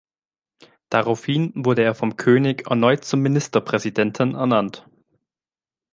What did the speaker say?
Daraufhin wurde er vom König erneut zum Ministerpräsidenten ernannt.